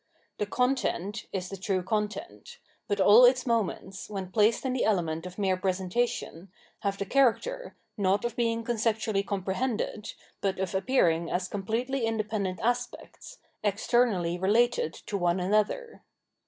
The content is the true content ; but all its moments, when placed iu the element of mere presentation, have the character, not of being conceptually comprehended, but of appearing as completely independent aspects, externally related to one another.